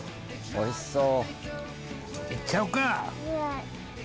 おいしそう！